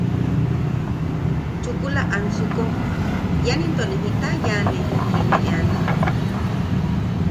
Chukula ansuko ¿ian into ne jita yaane? ti ne ean.